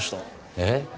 えっ？